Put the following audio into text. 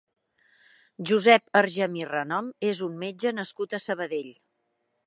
Josep Argemí Renom és un metge nascut a Sabadell.